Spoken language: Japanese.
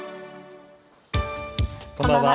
こんばんは。